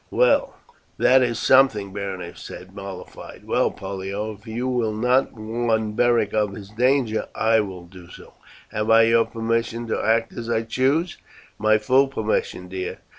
"Well, that is something," Berenice said, mollified. "Well, Pollio, if you will not warn Beric of his danger I will do so. Have I your permission to act as I choose?" "My full permission, dear.